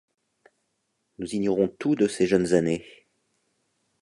Nous ignorons tout de ses jeunes années.